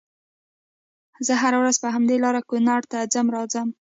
زه هره ورځ په همدې لار کونړ ته ځم راځم